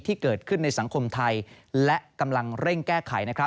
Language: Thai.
ที่เกิดขึ้นในสังคมไทยและกำลังเร่งแก้ไข